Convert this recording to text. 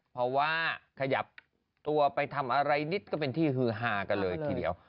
เพราะว่าขยับตัวไปทำอะไรนิดก็เป็นที่ฮือฮากันเลยทีเดียว